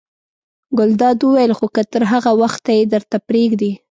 ګلداد وویل: خو که تر هغه وخته یې درته پرېږدي.